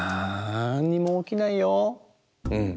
うん。